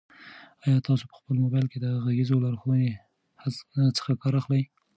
آیا تاسو په خپل موبایل کې د غږیزو لارښوونو څخه کار اخلئ؟